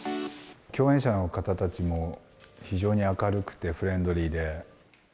共演者の方たちも非常に明るくてフレンドリーで。